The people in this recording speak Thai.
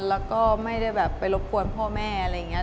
แล้วก็ไม่ได้แบบไปรบกวนพ่อแม่อะไรอย่างนี้